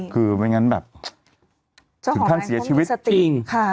คือไม่งั้นแบบจุดข้างเหงาเหมือนมีสติดจริงค่ะ